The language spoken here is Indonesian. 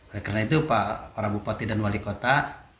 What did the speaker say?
oleh karena itu para bupati dan wali kota